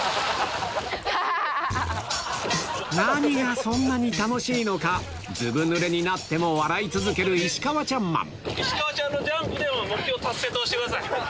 何がそんなに楽しいのかずぶぬれになっても笑い続ける石川チャンマン